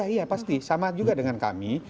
iya pasti sama juga dengan kami